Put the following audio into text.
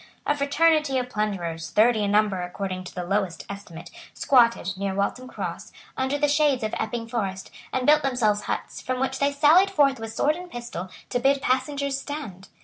A fraternity of plunderers, thirty in number according to the lowest estimate, squatted, near Waltham Cross, under the shades of Epping Forest, and built themselves huts, from which they sallied forth with sword and pistol to bid passengers stand.